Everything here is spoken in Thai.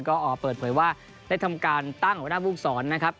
ก็อ่อเปิดเผยว่าได้ทำการตั้งออกหน้าวูกศรนะครับ